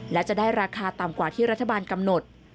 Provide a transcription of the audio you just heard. และจะได้ราคาต่ำกว่าที่รัฐบาลกำหนด